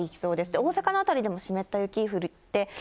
大阪の辺りでも、湿った雪、降って。